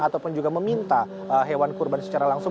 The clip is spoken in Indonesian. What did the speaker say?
ataupun juga meminta hewan kurban secara langsung